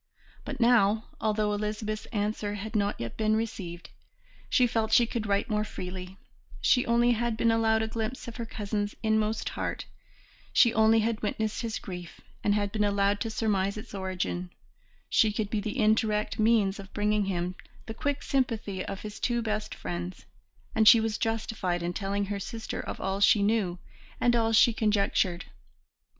But now, although Elizabeth's answer had not yet been received, she felt she could write more freely; she only had been allowed a glimpse of her cousin's inmost heart, she only had witnessed his grief and had been allowed to surmise its origin; she could be the indirect means of bringing him the quick sympathy of his two best friends, and she was justified in telling her sister of all she knew and all she conjectured.